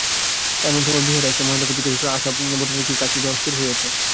এমন সময় বিহারী আসিয়া মহেন্দ্রকে জিজ্ঞাসা করিল, আশা-বোঠানের কি কাশী যাওয়া স্থির হইয়াছে।